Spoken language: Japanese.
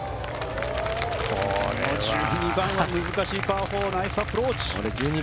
１０番難しいパー４ナイスアプローチ。